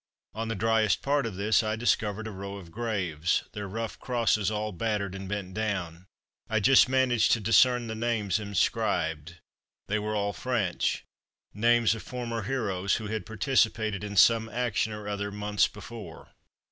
On the driest part of this I discovered a row of graves, their rough crosses all battered and bent down. I just managed to discern the names inscribed; they were all French. Names of former heroes who had participated in some action or other months before.